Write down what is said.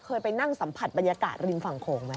เคยไปนั่งสัมผัสบรรยากาศริมฝั่งโขงไหม